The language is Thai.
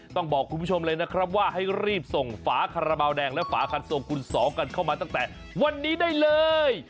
ต้องบอกคุณผู้ชมเลยนะครับว่าให้รีบส่งฝาคาราบาลแดงและฝาคันโซคุณสองกันเข้ามาตั้งแต่วันนี้ได้เลย